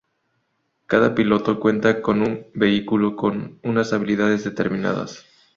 Cada piloto cuenta con un vehículo con unas habilidades determinadas.